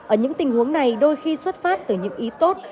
ở những tình huống này đôi khi xuất phát từ những ý tốt